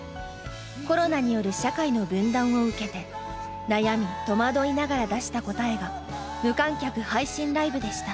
コロナによる社会の分断を受けて悩み戸惑いながら出した答えが無観客配信ライブでした。